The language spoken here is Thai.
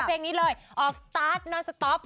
เพลงนี้เลยออกสตาร์ทนอนสต๊อป